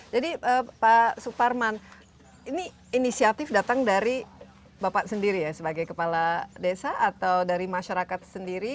jadi pak suparman ini inisiatif datang dari bapak sendiri ya sebagai kepala desa atau dari masyarakat sendiri